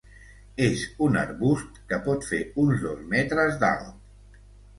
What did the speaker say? És un arbust que pot fer uns dos metres d'alt.